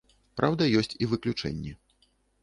Праўда ёсць і выключэнні.